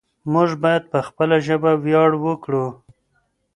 موږ بايد په خپله ژبه وياړ وکړو.